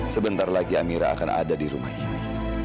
sebentar lagi amira akan ada di rumah ini